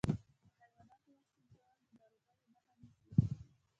د حيواناتو واکسین کول د ناروغیو مخه نیسي.